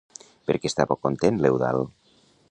Per què estava content l'Eudald?